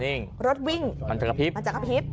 นิ่งรถวิ่งจะกระพิบ